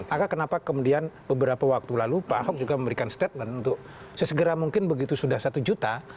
maka kenapa kemudian beberapa waktu lalu pak ahok juga memberikan statement untuk sesegera mungkin begitu sudah satu juta